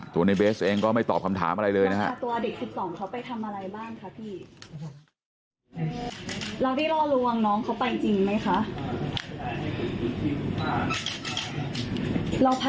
ตัวในเบสเองก็ไม่ตอบคำถามอะไรเลยนะครับ